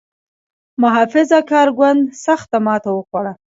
محافظه کار ګوند سخته ماته وخوړه.